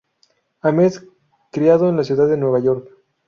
Ames, criado en la Ciudad de Nueva York.